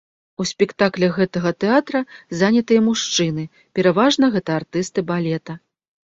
У спектаклях гэтага тэатра занятыя мужчыны, пераважна гэта артысты балета.